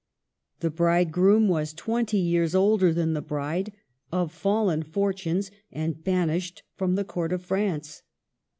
The bridegroom was twenty years older than the bride, of fallen fortunes, and banished from the Court of France.